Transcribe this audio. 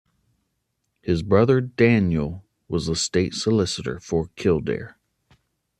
His brother Daniel was the State Solicitor for Kildare.